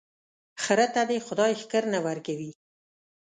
خره ته دي خداى ښکر نه ور کوي،